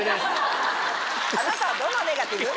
あなたはどのネガティブ？